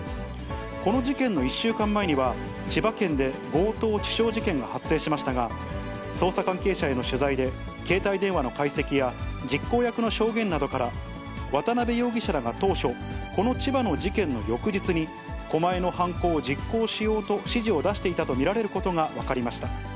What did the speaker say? この事件の１週間前には、千葉県で強盗致傷事件が発生しましたが、捜査関係者への取材で、携帯電話の解析や実行役の証言などから、渡辺容疑者らが当初、この千葉の事件の翌日に、狛江の犯行を実行しようと指示を出していたと見られることが分かりました。